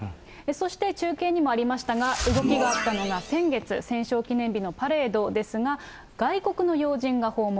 そして中継にもありましたが、動きがあったのが先月、戦勝記念日のパレードですが、外国の要人が訪問。